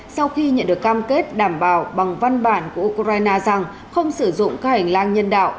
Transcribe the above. sau khi nhận được cam kết đảm bảo bằng văn bản của ukraine rằng không sử dụng các hành lang nhân đạo